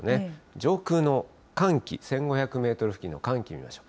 上空の寒気、１５００メートル付近の寒気を見ましょう。